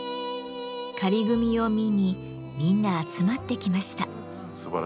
仮組みを見にみんな集まってきました。